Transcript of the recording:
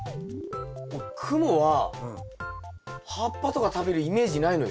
もうクモは葉っぱとか食べるイメージないのよ。